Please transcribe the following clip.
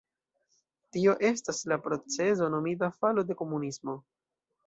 Tio estas la procezo nomita falo de komunismo.